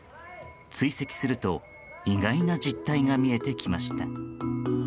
追跡すると意外な実態が見えてきました。